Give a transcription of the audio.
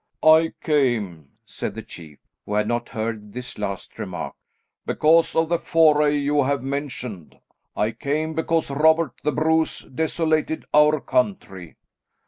"I came," said the chief, who had not heard this last remark, "because of the foray you have mentioned. I came because Robert the Bruce desolated our country."